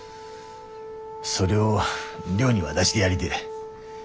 それを亮に渡してやりでえ。